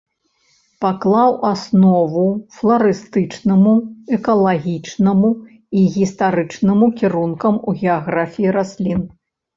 Паклаў аснову фларыстычнаму, экалагічнаму і гістарычнаму кірункам у геаграфіі раслін.